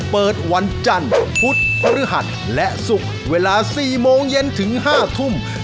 เปิดวันจันทร์พุธพฤหัสและศุกร์เวลา๔โมงเย็นถึง๕ทุ่ม